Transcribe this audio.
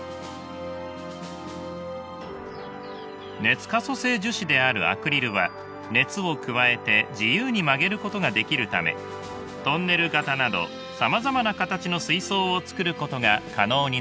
熱可塑性樹脂であるアクリルは熱を加えて自由に曲げることができるためトンネル形などさまざまな形の水槽を作ることが可能になりました。